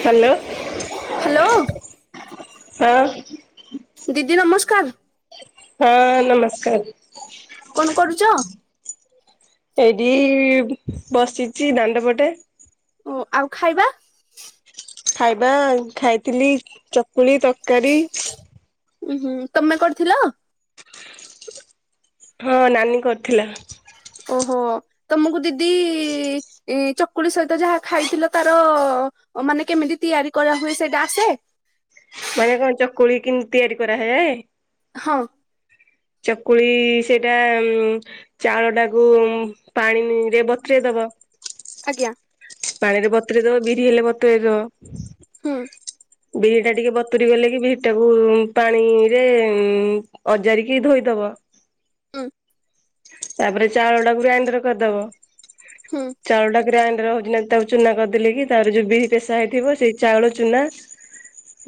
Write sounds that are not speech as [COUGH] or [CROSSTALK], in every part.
Hello hello ହଁ। ଦିଦି ନମସ୍କାର୍। ହଁ ନମସ୍କାର୍। କଣ କରୁଚ? ଏଇଟି ବସିଚି ଦାଣ୍ଡ ପଟେ। ଓ ଆଉ ଖାଇବା? ଖାଇବା ଖାଇଥିଲି ଚକୁଳି ତରକାରୀ। ଉଁ ହୁଁ ତମେ କରିଥିଲ? ହଁ ନାନୀ କରିଥିଲା। ଓହୋ ତମୁକୁ ଦିଦି ଇ ଚକୁଳି ସହିତ ଯାହା ଖାଇଥିଲ ତାର ମାନେ କେମିତି ତିଆରି କରାହୁଏ ସେଇଟା ଆସେ? ମାନେ କଣ ଚକୁଳି କିଁତ୍ ତିଆରି କରାହେ। ହଁ। ଚକୁଳି ସେଇଟା ଉମ୍। ଚାଉଳଟାକୁ ପାଣିରେ ବତୁରେଇ ଦବ। ଆଜ୍ଞା। ପାଣିରେ ବତୁରେଇ ଦବ ବିରି ହେଲେ ବତୁରେଇ ଦବ। ହୁଁ। ବିରିହି ଟା ଟିକେ ବତୁରି ଗଲେ କି ବିରିହି ଟାକୁ ପାଣିରେ। ଅଜାରିକି ଧୋଇଦବ। ଉଁ। ତାପରେ ଚାଉଳଟାକୁ ଗ୍ରାଇଣ୍ଡର କରିଦବ। ହୁଁ। ଚାଉଳଟା ଗ୍ରାଇଣ୍ଡରେ ହଉଛି ନା ତାକୁ ଚୁନା କରିଦେଲେକି ତାର ଯୋଉ ବିରିହି ପେଶା ହେଇଥିବ ସେଇ ଚାଉଳ ଚୁନା।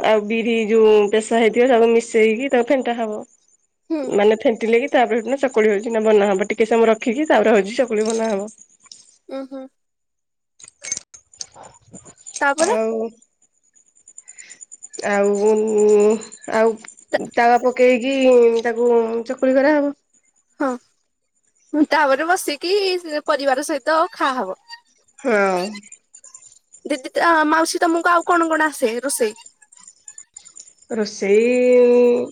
ଆଉ ବିରିହି ଯୋଉ ପେସା ହେଇଥିବ ତାକୁ ମିଶେଇକି ତାକୁ ଫେଣ୍ଟା ହବ। ହୁଁ। ମାନେ ଫେଣ୍ଟିଲେ କି ତାପରେ ହେଠୁ ନା ଚକୁଳି ହଉଛି ନା ବନାହବ ଟିକେ ସମ ରଖିକି ତାପରେ ହଉଛି ଚକୁଳି ବନାହବ। ଉଁ ହୁଁ। ତାପରେ ଆଉ ଆଉ ଆଉ ତାଳ ପକେଇକି ତାକୁ ଚକୁଳି କରାହବ। ହଁ ମୁ ତାପରେ ବସିକି ପରିବାର ସହିତ ଖାହବ। ହଁ ଦିଦି ତା ମାଉସୀ ତମକୁ ଆଉ କଣ କଣ ଆସେ ରୋଷେଇ? ରୋଷେଇ ଇଁ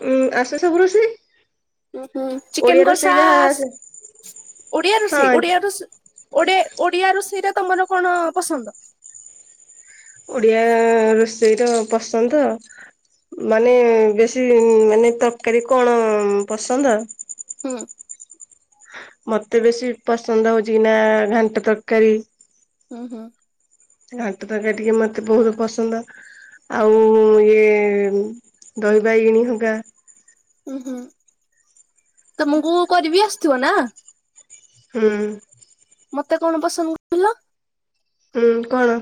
ଉୁଁ ଆସେ ସବୁ ରୋଷେଇ। ଉ ହୁଁ ଓଡିଆ ଚିକେନ୍ ରୋଷେଇ କଷା ଯାହା ଆସ୍ ଆସେ ଓଡିଆ ରୋଷେଇ ହଁ ଓଡିଆ ରୋଷ୍ ଓଡିଆ ଓଡିଆ ରୁଷେଇଟା ତମର କଣ ପସନ୍ଦ? ଓଡିଆ ରୋଷେଇ ର ପସନ୍ଦ ମାନେ ବେଶୀ ମାନେ ତରକାରୀ କଣ ପସନ୍ଦ? ହୁଁ। ମତେ ବେଶୀ ପସନ୍ଦ ହଉଚ ନା ଘାଣ୍ଟ ତରକାରୀ। ହୁଁ ହୁଁ। ଘାଣ୍ଟ ତରକାରି ଟିକେ ମତେ ବହୁତୁ ପସନ୍ଦ। ଆଉ ଇଏ ଦହି ବାଇଗଣୀ ହଙ୍କା। ଉଁ ହୁଁ ତମକୁ କରିବି ଆସୁଥିବ ନା? ହୁଁ। ମତେ କଣ ପସନ୍ଦ। କହିଲ ହୁଁ କଣ?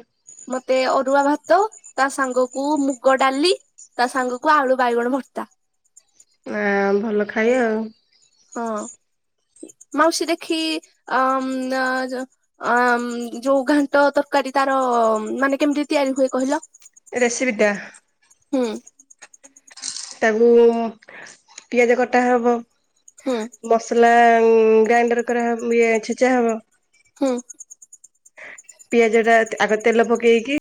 ମତେ ଅରୁଆ ଭାତ ତା ସାଙ୍ଗକୁ ମୁଗ ଡାଲି ତା ସାଙ୍ଗକୁ ଆଳୁ ବାଇଗଣ ଭର୍ତ୍ତା। ଆ ଭଲ ଖାଇବା ଆଉ। ହଁ ମାଉସୀ ଦେଖି ଅମ୍ ନା ଯା ଅମ୍ ଯୋଉ ଘାଣ୍ଟ ତରକାରୀ ତାର ମାନେ କେମିତି ତିଆରି ହୁଏ କହିଲ? ରେସିପି ଟା। ହୁଁ। ତାକୁ ଉଁ ପିଆଜ କଟା ହବ। ହୁଁ ମସଲା ଗ୍ରାଇଣ୍ଡର କରାହବ ଇଏ ଛେଚା ହବ। ହୁଁ। ପିଆଜଟା ଆଗ ତେଲ ପକେଇକି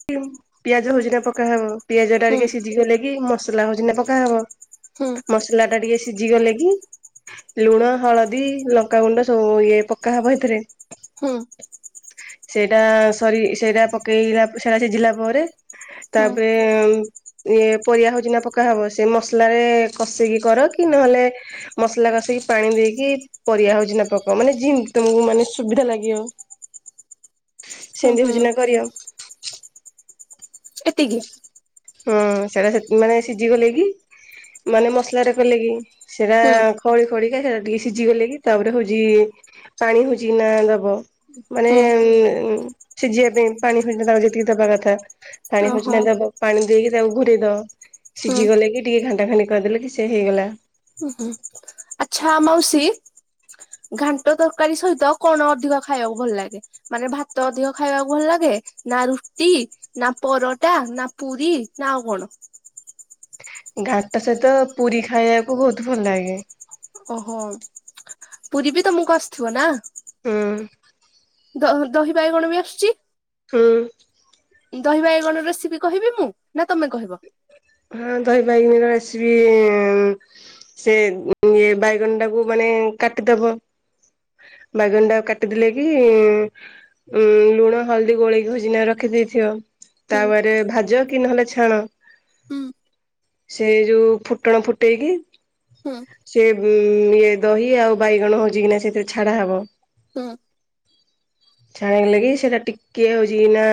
ପିଆଜ ହଉଛି ନା ପକାହବ। ପିଆଜଟା ହୁଁ ଟିକେ ସିଝିଗଲେ କି ମସଲା ହଉଛି ନା ପକାହବ ହୁଁ। ମସଲାଟା ଟିକେ ସିଝିଗଲେ କି ଲୁଣ, ହଳଦୀ, ଲଙ୍କାଗୁଣ୍ଡ ସବୁ ଇଏ ପକ୍କା ହବ ଏଥିରେ ହୁଁ। ସେଇଟା ସରି ସେଇଟା ପକେଇଲା ସେଇଟା ସିଝିଲା ପରେ ହୁଁ ତାପରେ ଇଏ ପରିବା ହଉଛି ନା ପକାହବ ସେ ମସଲାରେ କଷିକି କର କି ନହେଲେ ମସଲା କଷିକି ପାଣି ଦେଇକି ପରିବା ହଉଛି ନା ପକା ମାନେ ଯେମତି ତମକୁ ମାନେ ସୁବିଧା ଲାଗିିବ ହୁଁ ସେନ୍ତି ହୁଁ ହଉଚିନା କରିବ [UNINTELLIGIBLE] ହଁ ସେଇଟା ସେ ମାନେ ସିଝି ଗଲେ କି ମାନେ ମସଲା ଗଲେ କି ସେଇଟା ହୁଁ କଳି କଳିକା ସେଇଟା ଟିକେ ସିଝିଗଲେ କି ତାପରେ ହଉଚି ପାଣି ହଉଚି ନା ଦବ ମାନେ ହୁଁ ଉ ସିଝିବା ପାଇଁ ପାଣି ହିଁ ଯେତିକି ଦବା କଥା ପାଣି ହଉଛି ଓହୋ ନା ଦବ ପାଣି ଦେଇକି ତାକୁ ଘୋରେଇଦବ ହୁଁ ସିଝିଗଲେ କି ଟିକେ ଘାଣ୍ଟା ଘାଣ୍ଟି କରିଦେଲେ କି ସେ ହେଇଗଲା ଉଁ ହୁଁ। ଆଚ୍ଛା ମାଉସୀ ଘାଣ୍ଟ ତରକାରୀ ସହିତ କଣ ଅଧିକ ଖାଇବାକୁ ଭଲ ଲାଗେ? ମାନେ ଭାତ ଅଧିକ ଖାଇବାକୁ ଭଲ ଲାଗେ ନା ରୁଟି? ନା ପରଟା, ନା ପୁରୀ, ନା ଆଉ କଣ? ଘାଣ୍ଟ ସହିତ ପୁରୀ ଖାଇବାକୁ ବହୁତ ଭଲ ଲାଗେ। ଓହୋ ପୁରୀ ବି ତମକୁ ଆସିଥିବ ନା? ହୁଁ। ଦ ଦହିବାଇଗଣ ବି ଆସୁଛି। ହୁଁ। ଦହିବାଇଗଣ ରେସିପି କହିବି ମୁଁ ନା ତମେ କହିବ? ହୁଁ ଦହିବାଇଗଣ ରେସିପି ସେ ଇଏ ବାଇଗଣଟାକୁ ମାନେ କାଟିଦବ ବାଇଗଣଟାକୁ କାଟିଦେଲେ କି ଉଁ ଲୁଣ, ହଳଦୀ ଗୋଳେଇ ଭଜିନା ରଖିଦେଇଥିବ ହୁଁ ତାପରେ ଭାଜ କି ନହେଲେ ଛାଣ? ହୁଁ ସେ ଯୋଉ ଫୁଟଣ ଫୁଟେଇକି ହୁଁ ସେ ଉଁ ଇଏ ଦହି ଆଉ ବାଇଗଣ ହଉଛି କିନା ସେଥିରେ ଛାଡା ହବ ହୁଁ। ଛାଣି ହେଲାକି ସେଇଟା ଟିକେ ହଉଛି ନା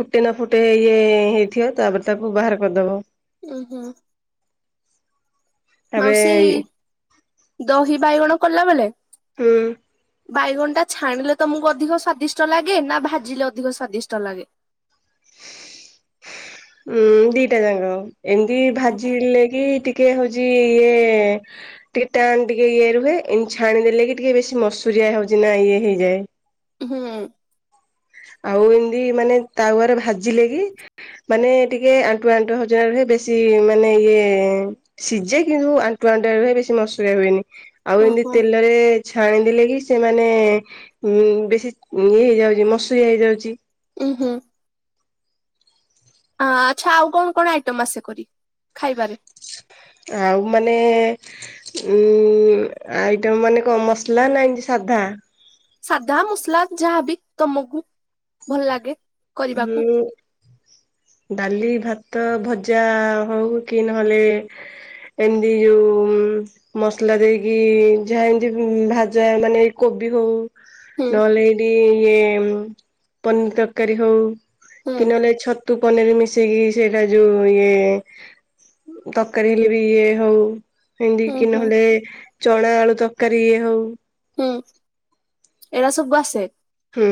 ଫୁଟେ ନା ଫୁଟେ ଇଏ ହେଇଥିବ ତାପରେ ତାକୁ ବାହାର କରିଦବ। ଉୁ ହୁଁ। ତାପରେ ମାଉସୀ ଦହିବାଇଗଣ କଲା ବେଳେ ହୁଁ। ବାଇଗଣଟା ଛାଣିଲେ ତମକୁ ଅଧିକ ସ୍ଵାଦିଷ୍ଟ ଲାଗେ ନା ଭାଜିଲେ ଅଧିକ ସ୍ଵାଦିଷ୍ଟ ଲାଗେ? ଉଁ ଦିଟା ଯାକ ଏମିତି ଓହୋ। ଭାଜିଲେ କି ଟି କେ ହଉଛି ଇଏ କି ଟିକେ ଟାନ୍ ଟିକେ ଇଏ ରୁହେ ଏ ଛାଣିଦେଲେ କି ଟିକେ ବେଶୀ ମସୁରିଆ ହଉଛି ନା ଇଏ ହେଇଯାଏ ହୁଁ। ଆଉ ଏମିତି ମାନେ ତାୱାରେ ଭାଜିଲେ କି? ମାନେ ଟିକେ ଆଣ୍ଠୁଆ ଆଣ୍ଠୁଆ ହଜନାରେ ହ ବେଶୀ ମାନେ ଇଏ ସିଝେ କିନ୍ତୁ ଆଣ୍ଟୁ ଆଣ୍ଟୁ ର ଭ ବେଶୀ ମସୁରଆ ହୁଏନି ଆଉ ଏମିତି ଓହୋ ତେଲରେ ଛାଣିଦଲେ କି ସେମାନେ ଉ ବେଶୀ ଇଏ ହେଇଯାଉଛି ମସୁରଆ ହେଇଯାଉଛି। ଉୁଁ ହୁଁ। ଆଚ୍ଛା ଆଉ କଣ କଣ ଆଇଟମ ଆସେ କରି ଖାଇବାରେ? ଆଉ ମାନେ ଉଁ ଆଇଟ ମାନେ କଣ ମସଲା ନା ଏ ସାଧା? ସାଧା ମସଲା ଯାହାବି ତମକୁ ଭଲ ଲାଗେ। କରିବାକୁ। [INAUDIBLE] ଡାଲି ଭାତ ଭଜା ହଉ କି ନହେଲେ ଏମିତି ଯୋଉ ମସଲା ଦେଇକି ଯାହା ଏମିତି ଭାଜା ମାନେ ଏଇ କୋବି ହଉ। ହୁଁ ନହେଲେ ଏଇଠି ଇଏ ପନିର ତରକାରୀ ହଉ। ହୁଁ କି ନହେଲେ ଛତୁ ପନିର ମିଶେଇିକି ସେଇଟା ଯୋଉ ଇଏ। ତରକାରୀ ହେଲେ ବି ଇଏ ହଉ। ଏମତି ହୁଁ କି ହୁଁ ନହେଲେ ଚଣା ଆଳୁ ତରକାରୀ ଇଏ ହଉ। ହୁଁ ଏରା ସବୁୁ ଆସେ। ହୁଁ।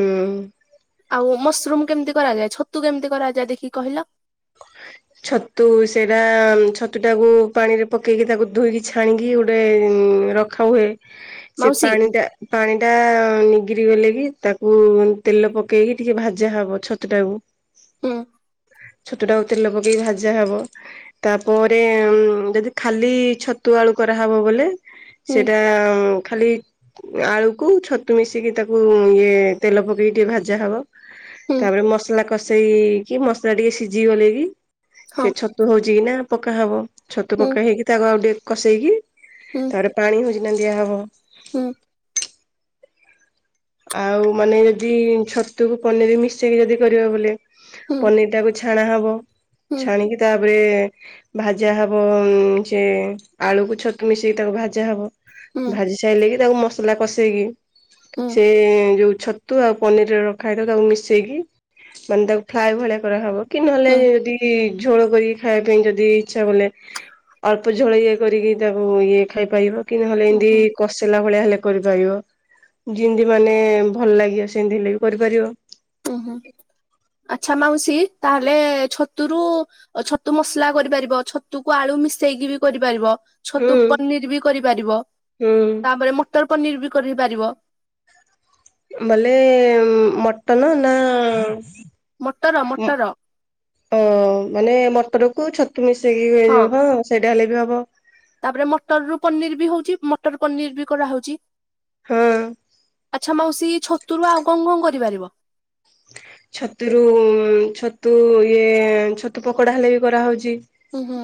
ଆଉ ମସରୁମ କେମିତି କରାଯାଏ ଛତୁ କେମିତି କରାଯାଏ ଦେଖିକି କହିଲ। [INAUDIBLE] ଛତୁ ସେଟା ଛତୁ ଟାକୁ ପାଣି ରେ ପକେଇକି ତାକୁ ଧୋଇକି ଛାଣିକି ଗୋଟେ ରଖ ଖା ହୁଏ ସେ ମାଉସୀ? ପାଣି ଟା ପାଣି ଟା ନିଗିରି ଗଲେ କି ତାକୁ ତେଲ ପକେଇକି ଟିକେ ଭାଜା ହବ ଛତ ଟାକୁ। ହୁଁ ଛତୁ ଟାକୁ ତେଲ ପକେଇି ଭାଜା ହବ। ତାପରେ ଯଦି ଖାଲି ଛତୁ ଆଳୁ କରାହେବ ବୋଲେ ହୁଁ ସେଟା ଖାଲି ଆଳୁକୁ ଛତୁ ମିଶିକି ତାକୁ ଇଏ ତେଲ ପକେଇକି ଟିକେ ଭାଜା ହବ। ହୁଁ ତାପରେ ମସଲା କଷେଇକି ମସଲା ଟିକେ ସିଝି ଗଲେ କି ସେ ହଁ ଛ ଛତୁ ହଉଛି କି ନା ପକା ହବ ଛତୁ ହୁଁ ପକା ହେଇକି ତାକୁ ଆଉ ଟିକେ କସେଇକି ହୁଁ ତାରେ ପାଣି ହଉଛି ଦିଆ ହବ। ହୁଁ। ଆଉ ମାନେ ଯଦି ଛତୁକୁ ପନିର ମିଶେଇକି ଯଦି କରିବା ବୋଲେ ହୁଁ ପନିର ଟାକୁ ଛାଣା ହବ ହୁଁ ଛାଣିକି ତାପରେ ଭାଜା ହବ ସେ ଆଳୁକୁ ଛତୁ ମିଶେଇି ତାକୁ ଭାଜା ହବ। ହୁଁ ହୁଁ ଭାଜି ସାରିଲେ କି ତାକୁ ମସଲା କଷେଇକି ସେ ଯୋଉ ଛତ ଆଉ ପନିର ରଖା ହେଇଥବ ତାକୁ ମିଶେଇକି ମାନେ ତାକୁ ଫ୍ରାଏ ଭଳିଆ କରାହବ କି ନହେଲେ ହୁଁ ଯଦି କି ଝୋଳ କରିକି ଖାଇବା ପାଇଁ ଯଦି ଇଚ୍ଛା କଲେ। ଅଳ୍ପ ଝୋଳ ଇଏ କରିକି ତାକୁ ଇଏ ଖାଇପାରିବ କି ନହେଲେ ହୁଁ ଏମିତି ହୁଁ କଷେଇିଲା ଭଳିଆ ହେଲେ କରିପାରିବ। ଯେମିତି ମାନେ ଭଲ ଲାଗିବ ସେମିତି ହେଲେ ବି କରିପାରିବ। ଓହୋ ଆଚ୍ଛା ମାଉସୀ ତାହେଲେ ଛତୁରୁ ଛତୁ ମସଲା କରିପାରିବ ଛତୁକୁ ଆଳୁ ମିଶେଇକି ବି କରିପାରିବ। ଛତୁ ହୁଁ। ପନିର ବି କରିପାରିବ ହୁଁ ତାପରେ ମଟର ପନିର ବି କରିପାରିବ। ବଲେ ମଟନ ନା ମୋଟର-ମୋଟର, ଓ ମାନେ ମୋଟରକୁ ଛତୁ ମିଶେଇକି ଯୋଉ ହଁ ସେଇଟା ହେଲେ ବି ହବ, ତାପରେ ମଟର ରୁ ପନିର ବି ହଉଛି ମଟର ରୁ ପନିର ବି କରାହଉଛି, ହୁଁ, ଆଚ୍ଛା ମାଉସୀ ଛତୁରୁ ଆଉ କଁ-କଁ କରିପାରିବ? ଛତୁରୁ ଛତୁ ଇଏ ଛତୁ ପକୋଡ଼ା ହେଲେ ବି କରାହେଉଛି, ହୁଁ-ହୁଁ,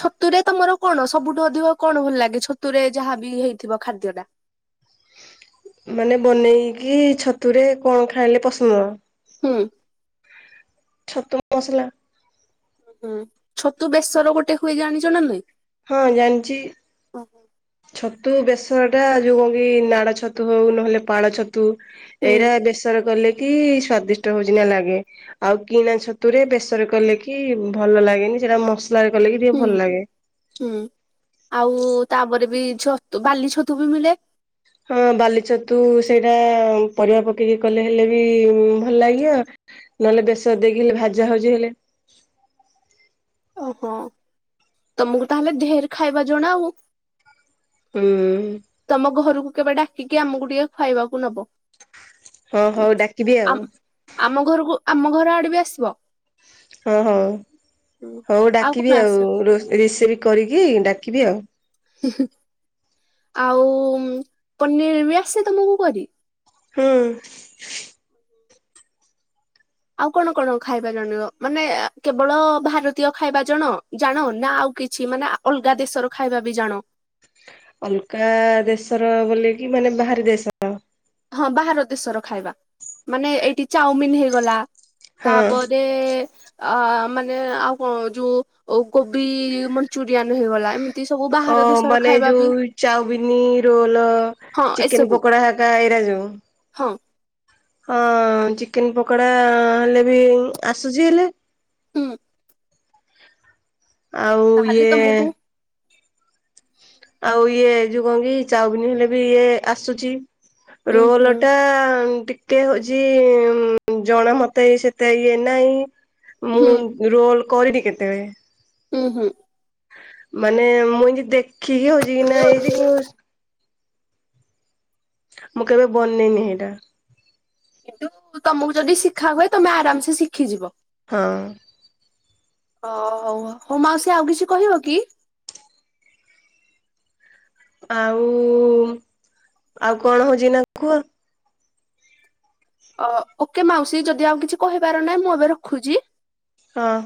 ଛତୁରେ ତମର କଣ ସବୁଠୁ ଅଧିକ କଣ ଭଲ ଲାଗେ ଛତୁରେ ଯାହାବି ହେଇଥିବ ଖାଦ୍ୟ ଟା? ମାନେ ବନେଇକି ଛତୁରେ କଣ ଖାଇଲେ ପସନ୍ଦ? ହୁଁ, ଛତୁ ମସଲା, ହୁଁ ଛତୁ ବେଶର ଗୋଟେ ହୁଏ ଜାଣିଛ ନା ନାହିଁ, ହଁ ଜାଣିଛି, ଓହୋ, ଛତୁ ବେସର ଟା ଯୋଉ ବି ନାଡ଼ ଛତୁ ହଉ ନହେଲେ ପାଳ ଛତୁ, ହୁଁ ଏଇରା ବେସର କଲେ ବି ସ୍ଵାଦିଷ୍ଟ୍ ହଉଛି ନା ଲାଗେ, ଆଉ କିଣା ଛତୁରେ ବେସରେ କଲେ କି ଭଲ ଲାଗେନି ସେଟା ମସ୍ ସ୍ଲା ରେ କଲେ କି, ଟିକେ ଭଲ ଲାଗେ। ହୁଁ-ହୁଁ ଆଉ ତାପରେ ବି ଛତୁ ବାଲି ଛତୁ ବି ମିଳେ, ହଁ ବାଲି ଛତୁ ସେଇଟା ପରିବା ପକେଇକି କଲେ ହେଲେ ବି ଭଲ ଲାଗିବ, ନହେଲେ ବେଶର ଦେଇକି ହେଲେ ଭାଜା ହାଉଜି ହେଲେ, ଅ ହଁ ତମକୁ ତାହେଲେ ଢେର ଖାଇବା ଜଣା ଆଉ, ହୁଁ, ତମ ଘରକୁ କେବେ ଡାକିକି ଆମକୁ ଟିକେ ଖାଇବାକୁ ନବ, ହଁ ହଉ ଡାକିବି ଆମ ଆଉ, ଆମ ଘରକୁ ଆମ ଘର ଆଡ଼େ ବି ଆସିବ, ହଁ-ହଁ ହଉ କଣ ଡାକିବି ଆଉ ଆସେ ରିଷ୍ ରେଷିବି କରିକି ଡାକିବି ଆଉ, ହୁଁ-ହୁଁ ଆଉ ପନିର ବି ଆସେ ତମକୁ କରି? ହୁଁ, ଆଉ କଣ-କଣ ଖାଇବା ଜାଣିବ ମାନେ ଆ କେବଳ ଭାରତୀୟ ଖାଇବା ଜଣ ଜାଣ ନା ଆଉ କିଛି ମାନେ ଆ? ଅଲଗା ଦେଶର ଖାଇବା ବି ଜାଣ? ଅଲକା ଦେଶର ବୋଲେ କି ମାନେ ବାହାର ଦେଶ? ହଁ ବାହାର ଦେଶର ଖାଇବା ମାନେ ଏଇଠି ଚାଉମିିନ ହେଇଗଲା, ହଁ ତାପରେ, ଆ ମାନେ ଆଉ କଣ ଯୋଉ ଅଉ କୋବି ମଞ୍ଚୁରିଆନ ହେଇଗଲା ଏମିତ୍ ଅ ମାନେ ଯୋଉ ଚାଉବିନି ରୋଲ ହଁ ଚିକେନ୍ ଏସବୁ ପକୋଡ଼ା ହତ୍ ତା ଏଇରା ଯଉ, ହଁ, ହଁ ଚିକେନ୍ ପକୋଡ଼ା ହେଲେ ବି ଆସୁଛି ହେଲେ, ହୁଁ, ଆଉ ତାହେଲେ ଇଏ, ତମକୁ ଆଉ ଇଏ ଯୋଉ କଁ କି ଚାଉବିନ ହେଲେ ବି ଇଏ ଆସୁଛି, ଉଁ ରୋଲ ହୁଁ ଟା ଟିକ୍, କେ ହଉଛି ଉଁ ଜଣା ମତେ ସେତେ ଇଏ ନାହିଁ ମୁଁ, ହୁଁ ରୋଲ୍ କରିବି କେତେବେଳେ, ହୁଁ ହୁଁ। ମାନେ ମୁଁ ଏନ୍ତି ଦେଖିକି ହଉଚି କି ନା ଏଇଚୁ କିନ୍ତୁ ମୁଁ କେବେ ବନେଇନି ହେଇଟା। କିନ୍ତୁ ତମକୁ ଯଦି ଶିଖା ହୁଏ ତମେ ଆରାମ୍ ସେ ଶିଖିଯିବ। ହଁ। ଓ ହଉ ହଉ ହୋଉ ମାଉସୀ ଆଉ କିଛି କହିବ କି? ଆଉ ଆଉ କଣ ହଉଚି ନା କୁହ? ଅ ଓକେ ମାଉସୀ ଯଦି ଆଉ କିଛି କହିବାର ନାହିଁ ମୁଁ ଏବେ ରଖୁଚି। ହଁ।